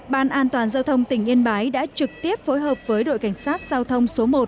ban an toàn giao thông tỉnh yên bái đã trực tiếp phối hợp với đội cảnh sát giao thông số một